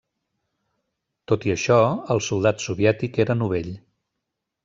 Tot i això, el soldat soviètic era novell.